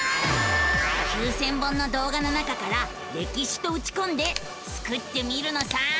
９，０００本の動画の中から「歴史」とうちこんでスクってみるのさ！